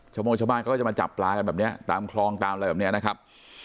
โมงชาวบ้านเขาก็จะมาจับปลากันแบบนี้ตามคลองตามอะไรแบบนี้นะครับ